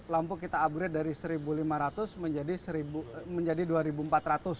lampu kita upgrade dari rp satu lima ratus menjadi rp dua empat ratus